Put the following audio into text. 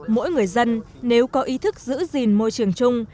mỗi người dân nếu có ý thức giữ gìn môi trường chung